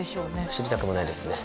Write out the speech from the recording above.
知りたくもないですね